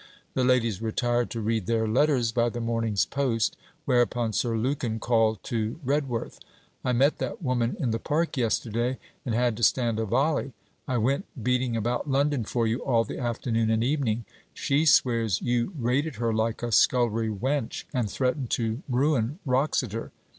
The ladies retired to read their letters by the morning's post; whereupon Sir Lukin called to Redworth; 'I met that woman in the park yesterday, and had to stand a volley. I went beating about London for you all the afternoon and evening. She swears you rated her like a scullery wench, and threatened to ruin Wroxeter.